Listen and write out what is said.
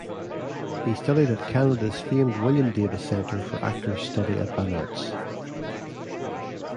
He studied at Canada's famed William Davis Centre for Actors Study at VanArts.